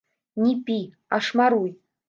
Не пі, а шмаруй.